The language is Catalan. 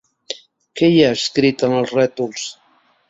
Què hi ha escrit en els rètols?